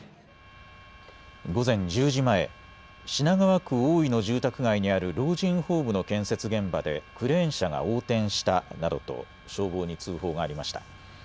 午前１０時前、品川区大井の住宅街にある老人ホームの建設現場でクレーン車が横転したなどと消防に通報がありました。